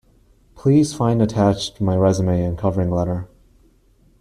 Please find attached my resume and covering letter.